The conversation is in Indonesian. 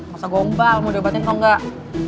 masa gombal mau diobatin atau nggak